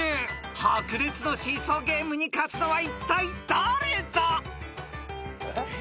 ［白熱のシーソーゲームに勝つのはいったい誰だ！？］